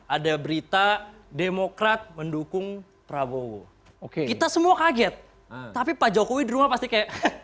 ada berita demokrat mendukung prabowo oke kita semua kaget tapi pak jokowi di rumah pasti kayak